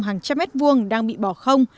hàng trăm mét vuông đang bị bỏ không